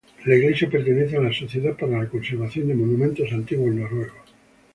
La iglesia pertenece a la Sociedad para la Conservación de Monumentos Antiguos Noruegos.